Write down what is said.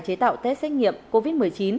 chế tạo test xét nghiệm covid một mươi chín